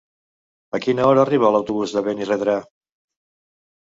A quina hora arriba l'autobús de Benirredrà?